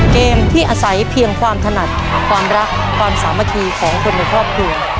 เกมที่อาศัยเพียงความถนัดความรักความสามัคคีของคนในครอบครัว